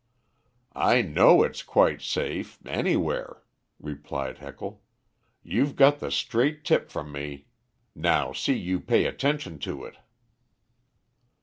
"I know it's quite safe anywhere," replied Heckle. "You've got the straight tip from me; now see you pay attention to it."